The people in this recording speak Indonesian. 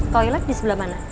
toilet di sebelah mana